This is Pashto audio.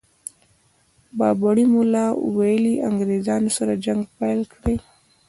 بابړي ملا ویلي انګرېزانو سره جنګ پيل کړي.